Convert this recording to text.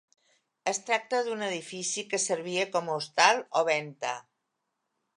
Es tracta d'un edifici que servia com a hostal o venta.